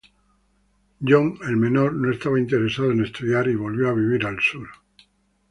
John, el menor, no estaba interesado en estudiar, y volvió a vivir al Sur.